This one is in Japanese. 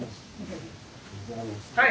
はい。